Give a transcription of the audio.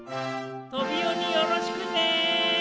トビオによろしくね。